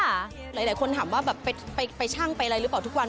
หลายคนถามว่าไปช่างไปไปอะไรรึเปล่าทุกวัน